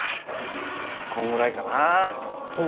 こんぐらいかな。